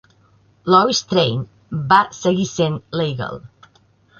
Louis Train va seguir sent l'"Eagle".